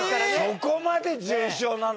そこまで重症なの？